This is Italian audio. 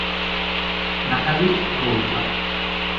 Natalie Golda